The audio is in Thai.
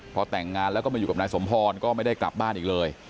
พอแต่งงานแล้วก็มาอยู่กับนายสมพรก็ไม่ได้กลับบ้านอีกเลย